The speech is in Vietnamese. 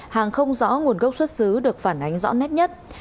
hàng không rõ nguồn gốc xuất xứ được phản ánh rõ nét nhất